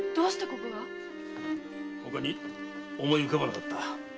ほかに思い浮かばなかった。